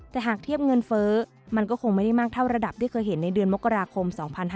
แต่หากเทียบเงินเฟ้อมันก็คงไม่ได้มากเท่าระดับที่เคยเห็นในเดือนมกราคม๒๕๕๙